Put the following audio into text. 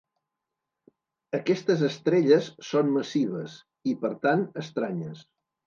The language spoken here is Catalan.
Aquestes estrelles són massives i per tant, estranyes.